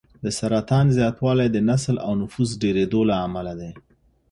د سرطان زیاتوالی د نسل او نفوس ډېرېدو له امله دی.